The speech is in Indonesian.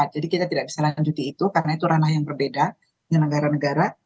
jadi kita tidak bisa lanjuti itu karena itu ranah yang berbeda penyelenggara negara